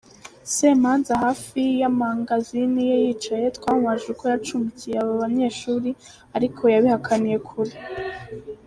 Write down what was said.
Semanza hafi y’amangazini ye yicaye, twamubajije uko yacumbikiye aba banyeshuri ariko yabihakaniye kure.